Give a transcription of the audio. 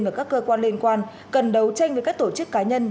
và các cơ quan liên quan cần đấu tranh với các tổ chức cá nhân